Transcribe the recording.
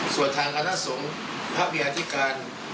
ส่วนทางคณะสงฆ์พระยาธิการ